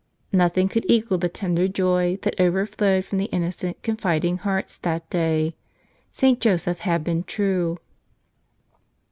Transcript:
Nothing could equal the tender joy that overflowed from the innocent confiding hearts that day. St. Joseph had been true.